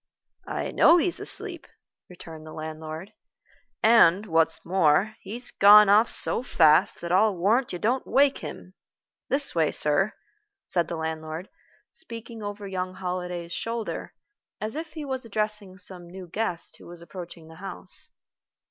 "I know he's asleep," returned the landlord; "and, what's more, he's gone off so fast that I'll warrant you don't wake him. This way, sir," said the landlord, speaking over young Holliday's shoulder, as if he was addressing some new guest who was approaching the house.